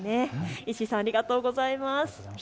石井さん、ありがとうございます。